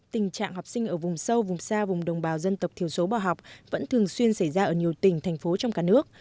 tình trạng học sinh ở vùng sâu vùng xa vùng đồng bào dân tộc thiểu số bỏ học vẫn thường xuyên xảy ra ở nhiều tỉnh thành phố trong cả nước